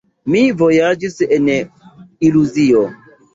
Mi vojaĝis en iluzio.